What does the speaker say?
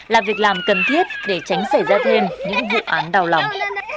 là việc làm cần thiết để tránh xảy ra thêm những vụ án đau lòng